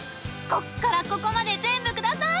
「こっからここまで全部下さい」。